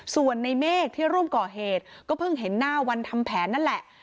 ส่วนในเมฆที่ร่วมก่อเหตุก็เพิ่งเห็นหน้าวันทำแผนนั่นแหละ